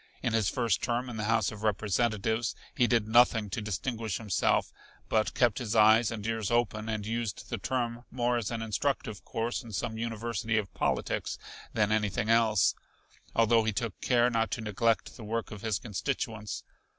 In his first term in the House of Representatives he did nothing to distinguish himself, but kept his eyes and ears open and used the term more as an instructive course in some university of politics than anything else, although he took care not to neglect the work of his constituents.